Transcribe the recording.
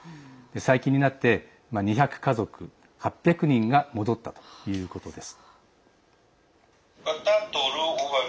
最近になって２００家族８００人が戻ったということです。